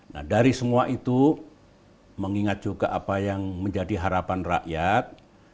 nah dari semua itu mengingat juga apa yang menjadi harapan rakyat